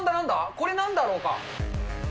これなんだろうか。